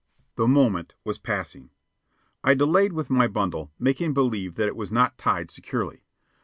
The moment was passing. I delayed with my bundle, making believe that it was not tied securely.